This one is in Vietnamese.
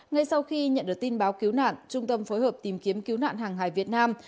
ngay sau khi nhận được tin báo cứu nạn trung tâm phối hợp tìm kiếm cứu nạn hàng hải việt nam